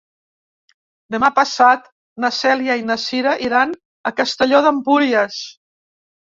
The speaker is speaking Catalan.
Demà passat na Cèlia i na Cira iran a Castelló d'Empúries.